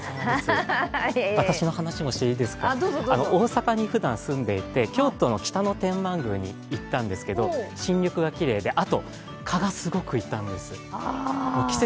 私の話もしていいですか、大阪に住んでいて京都の北野天満宮に行ったんですけど、新緑がきれいで、あと蚊がすごくいたんです。